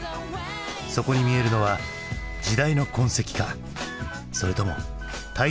そこに見えるのは時代の痕跡かそれとも大衆の欲望か。